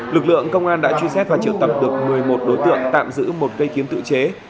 lực lượng công an đã truy xét và triệu tập được một mươi một đối tượng tạm giữ một cây kiếm tự chế